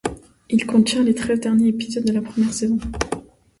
Il contient les treize derniers épisodes de la première saison.